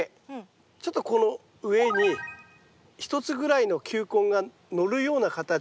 ちょっとこの上に１つぐらいの球根が乗るような形で。